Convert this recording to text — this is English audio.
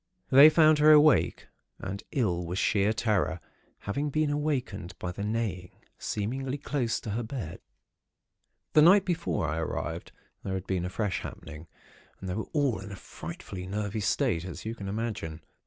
They found her awake, and ill with sheer terror, having been awakened by the neighing, seemingly close to her bed. "The night before I arrived, there had been a fresh happening, and they were all in a frightfully nervy state, as you can imagine.